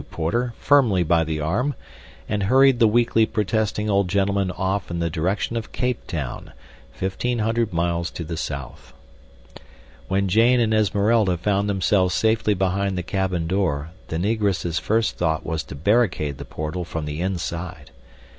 Porter firmly by the arm and hurried the weakly protesting old gentleman off in the direction of Cape Town, fifteen hundred miles to the south. When Jane and Esmeralda found themselves safely behind the cabin door the Negress's first thought was to barricade the portal from the inside.